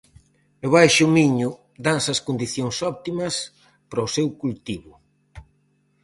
No Baixo Miño danse as condicións óptimas para o seu cultivo.